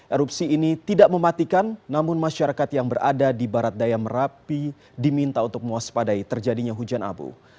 erupsi ini tidak mematikan namun masyarakat yang berada di barat daya merapi diminta untuk mewaspadai terjadinya hujan abu